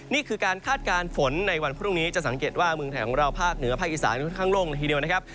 นี่คือการคาดการณ์ฝนในวันพรุ่งนี้จะสังเกตว่าเมืองไทยของเราภาคเหนือภาคอีสานค่อนข้างโล่งละทีเดียวนะครับ